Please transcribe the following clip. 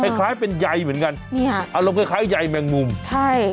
คล้ายเป็นใยเหมือนกันนี่ฮะอารมณ์คล้ายคล้ายใยแมงมุมใช่